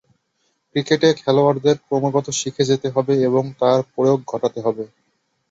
ক্রিকেটে খেলোয়াড়দের ক্রমাগত শিখে যেতে হবে এবং তার প্রয়োগ ঘটাতে হবে।